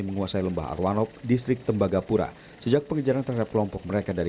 terus yang laki laki dipisahkan dengan yang perempuan